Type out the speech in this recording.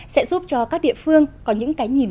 sẽ giúp cho các địa phương có những cái nhìn